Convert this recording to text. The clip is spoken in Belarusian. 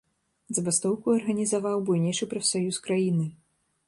Забастоўку арганізаваў буйнейшы прафсаюз краіны.